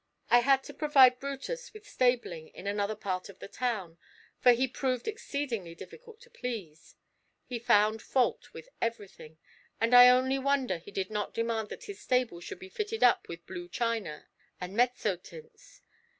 I had to provide Brutus with stabling in another part of the town, for he proved exceedingly difficult to please: he found fault with everything, and I only wonder he did not demand that his stable should be fitted up with blue china and mezzotints.